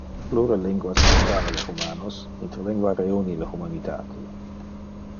Plure linguas separa le humanos, interlingua reuni le humanitate